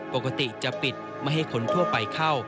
ปกติจะปิดไม่ให้คนทั่วไปเข้า